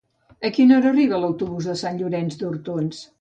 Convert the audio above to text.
A quina hora arriba l'autobús de Sant Llorenç d'Hortons?